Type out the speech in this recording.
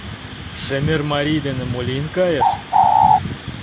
Шемер марий дене мо лийын кайыш?